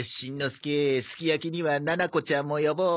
すきやきにはななこちゃんも呼ぼう。